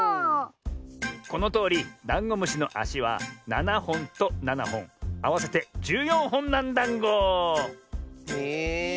このとおりダンゴムシのあしは７ほんと７ほんあわせて１４ほんなんだんご。え。